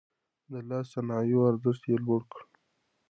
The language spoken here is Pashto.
د لاس صنايعو ارزښت يې لوړ کړ.